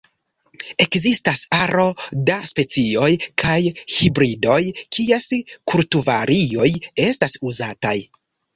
Ekzistas aro da specioj kaj hibridoj, kies kulturvarioj estas uzataj.